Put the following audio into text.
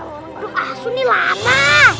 aduh asuh nih lama